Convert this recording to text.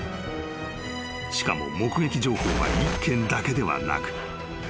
［しかも目撃情報は１件だけではなく幾つもあった］